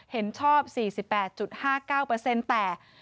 เห็นชอบ๔๘๕๙แต่